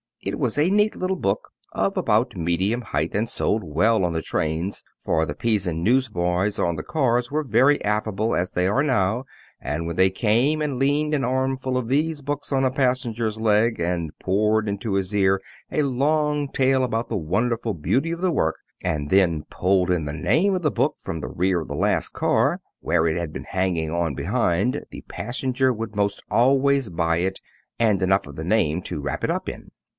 It was a neat little book, of about the medium height, and sold well on the trains, for the Pisan newsboys on the cars were very affable, as they are now, and when they came and leaned an armful of these books on a passenger's leg and poured into his ear a long tale about the wonderful beauty of the work, and then pulled in the name of the book from the rear of the last car, where it had been hanging on behind, the passenger would most always buy it and enough of the name to wrap it up in.